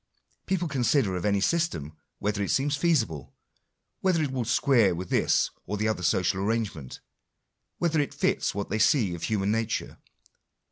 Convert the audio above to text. People consider of any system, whether it seems feasible, whether it will square with this or the other social arrangement, whether it fits what they see of human nature.